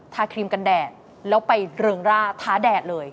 ครีมกันแดดแล้วไปเริงร่าท้าแดดเลย